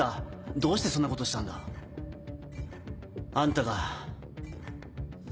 どうしてそんなことをしたんだ？あんたが。